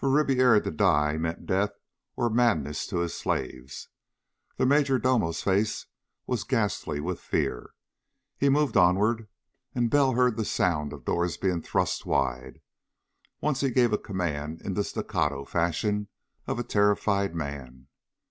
For Ribiera to die meant death or madness to his slaves. The major domo's face was ghastly with fear. He moved onward, and Bell heard the sound of doors being thrust wide. Once he gave a command in the staccato fashion of a terrified man.